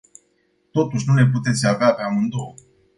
Totuși, nu le puteți avea pe amândouă!